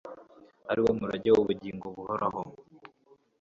ari wo murage w’ubugingo buhoraho